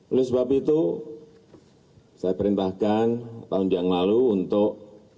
oleh sebab itu saya perintahkan tahun yang lalu untuk